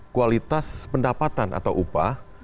kualitas pendapatan atau upah